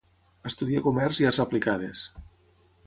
Estudià comerç i arts aplicades.